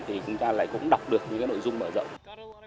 thì chúng ta lại cũng đọc được những cái nội dung mở rộng